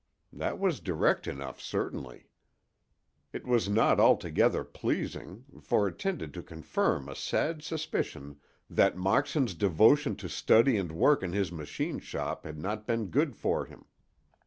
That was direct enough, certainly. It was not altogether pleasing, for it tended to confirm a sad suspicion that Moxon's devotion to study and work in his machine shop had not been good for him.